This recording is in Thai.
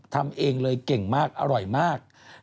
ทำเองเลยเก่งมากอร่อยมาก